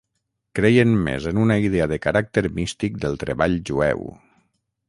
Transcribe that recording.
Creien més en una idea de caràcter místic del treball jueu.